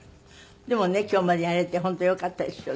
でもね今日までやれて本当よかったですよね。